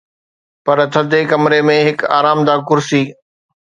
پر ٿڌي ڪمري ۾ هڪ آرامده ڪرسي